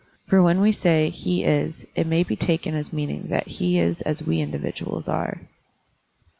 For when we say, " he is," it may be taken as meaning that he is as we individuals are.